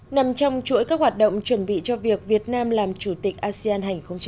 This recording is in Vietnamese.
nằm trong chuỗi các hoạt động chuẩn bị cho việc việt nam làm chủ tịch asean hai nghìn hai mươi